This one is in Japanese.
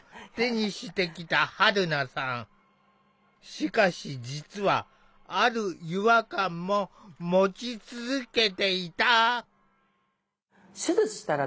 しかし実はある違和感も持ち続けていた。